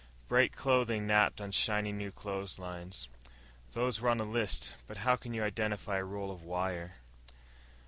Bright clothing napped on shiny new clotheslines (those were on the list, but how can you identify a roll of wire?).